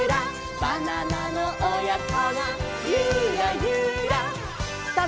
「バナナのおやこがユラユラ」さあ